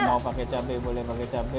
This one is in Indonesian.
kalau mau pakai cabe boleh pakai cabe